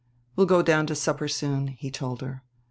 "We'll go down to supper soon," he told her.